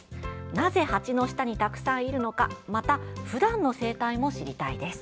なぜ鉢の下にたくさんいるのかまた、普段の生態も知りたいです。